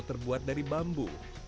terbuat dari bambu